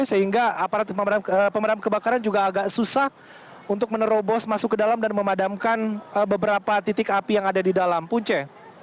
sehingga aparat pemadam kebakaran juga agak susah untuk menerobos masuk ke dalam dan memadamkan beberapa titik api yang ada di dalam punce